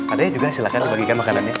ada juga silahkan dibagikan makanannya